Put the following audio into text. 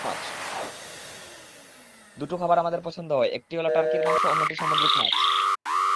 দুটো খাবার আমাদের পছন্দ হয়, একটি হলো টার্কির মাংস, অন্যটি সামুদ্রিক মাছ।